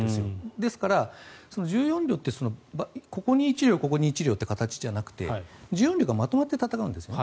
ですから１４両ってここに１両、ここに１両という形じゃなくて１４両がまとまって戦うんです。